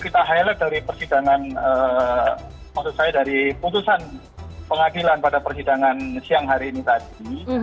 kita highlight dari persidangan maksud saya dari putusan pengadilan pada persidangan siang hari ini tadi